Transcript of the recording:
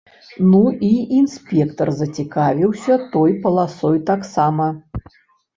Ну і інспектар зацікавіўся той паласой таксама.